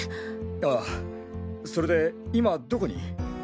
ああそれで今どこに？